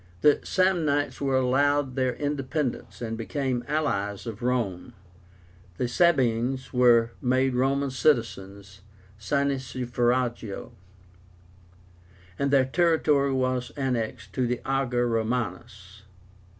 The Samnites were allowed their independence, and became allies of Rome. The Sabines were made Roman citizens (sine suffragio), and their territory was annexed to the Ager Románus.